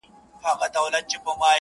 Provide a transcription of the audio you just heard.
• آفتونه یې له خپله لاسه زېږي -